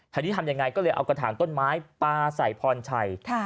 ทีนี้ทำยังไงก็เลยเอากระถางต้นไม้ปลาใส่พรชัย